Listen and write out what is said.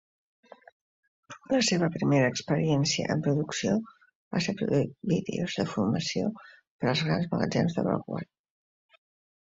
La seva primera experiència en producció va ser produir vídeos de formació per als grans magatzems de Broadway.